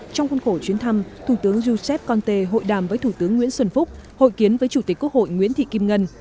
trong khuôn khổ chuyến thăm thủ tướng giuseppe conte hội đàm với thủ tướng nguyễn xuân phúc hội kiến với chủ tịch quốc hội nguyễn thị kim ngân